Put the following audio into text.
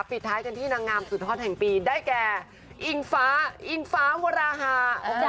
ปิดท้ายกันที่นางงามสุดฮอตแห่งปีได้แก่อิงฟ้าอิงฟ้าวราฮา